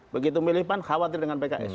begitu milih pan khawatir dengan pks